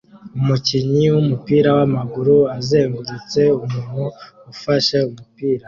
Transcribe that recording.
Umukinnyi wumupira wamaguru azengurutse umuntu ufashe umupira